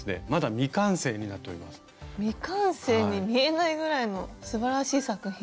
未完成に見えないぐらいのすばらしい作品。